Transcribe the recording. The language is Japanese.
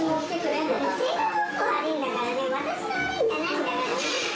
生活保護が悪いんだからね、私が悪いんじゃないんだからね。